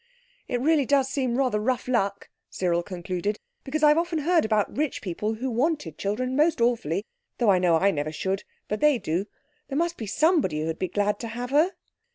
"It really does seem rather rough luck," Cyril concluded, "because I've often heard about rich people who wanted children most awfully—though I know I never should—but they do. There must be somebody who'd be glad to have her."